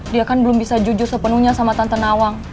dia kan belum bisa jujur sepenuhnya sama tante nawang